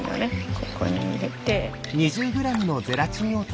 ここに入れて。